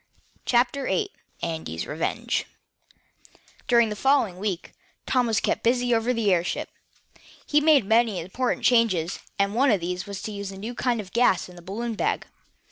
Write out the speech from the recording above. CHAPTER VIII ANDY FOGER'S REVENGE During the following week, Tom was kept busy over the airship. He made many important changes, and one of these was to use a new kind of gas in the balloon bag.